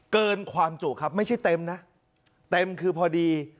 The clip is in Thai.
เกินความจุครับไม่ใช่เต็มนะเต็มคือพอดี